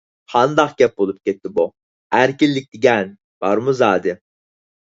قانداق گەپ بولۇپ كەتتى بۇ؟ ئەركىنلىك دېگەن بارمۇ زادى؟